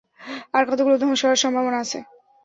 আর কতগুলো ধ্বংস হওয়ার সম্ভাবনা আছে?